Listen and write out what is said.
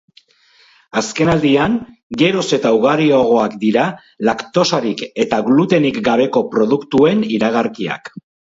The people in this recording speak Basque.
Azken aldian geroz eta ugariagoak dira laktosarik eta glutenik gabeko produktuen iragarkiak.